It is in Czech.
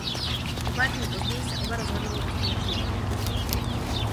O pár dní později se oba rozhodnou společně odjet.